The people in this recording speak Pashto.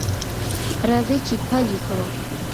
راځئ چې پیل یې کړو.